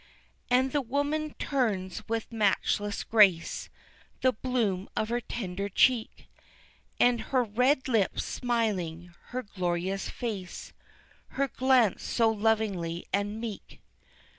And the woman turns with matchless grace The bloom of her tender cheek, And her red lips smiling her glorious face, Her glance so loving and meek.